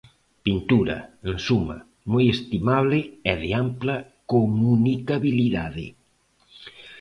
Pintura, en suma, moi estimable e de ampla comunicabilidade.